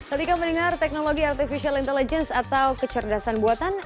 ketika mendengar teknologi artificial intelligence atau kecerdasan buatan